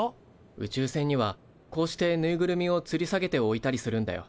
宇宙船にはこうしてぬいぐるみをつり下げておいたりするんだよ。